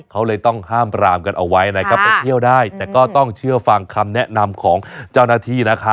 เขาเลยต้องห้ามปรามกันเอาไว้นะครับไปเที่ยวได้แต่ก็ต้องเชื่อฟังคำแนะนำของเจ้าหน้าที่นะคะ